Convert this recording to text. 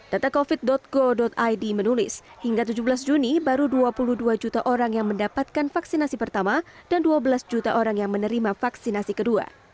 data covid go id menulis hingga tujuh belas juni baru dua puluh dua juta orang yang mendapatkan vaksinasi pertama dan dua belas juta orang yang menerima vaksinasi kedua